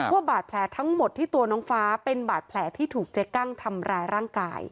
ว่าบาดแผลทั้งหมดที่ตัวน้องฟ้าเป็นบาดแผลที่ถูกเจ๊กั้งทำร้ายร่างกาย